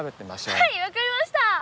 はい分かりました。